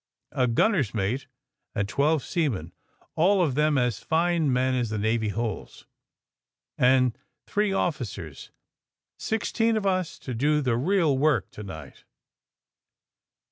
A gunner's mate and twelve seamen, all of them as fine men as the Navy holds; and three officers. Sixteen of us to do the real work to night!"